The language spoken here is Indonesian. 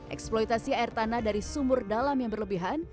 eksploitasi air tanah dari sumur dalam yang berlebihan